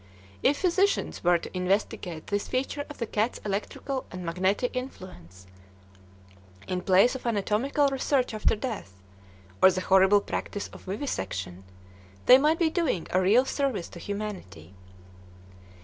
If physicians were to investigate this feature of the cat's electrical and magnetic influence, in place of anatomical research after death, or the horrible practice of vivisection, they might be doing a real service to humanity.